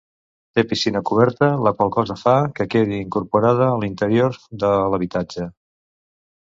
Té piscina coberta, la qual cosa fa que quedi incorporada a l'interior de l'habitatge.